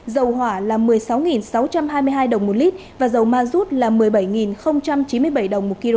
dầu hỏa là một mươi sáu sáu trăm hai mươi hai đồng một lít và dầu ma rút là một mươi bảy chín mươi bảy đồng một kg